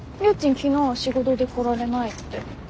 昨日は仕事で来られないって。